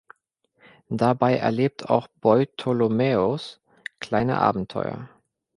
Dabei erlebt auch Beutolomäus kleine Abenteuer.